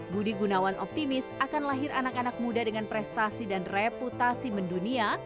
budi gunawan optimis akan lahir anak anak muda dengan prestasi dan reputasi mendunia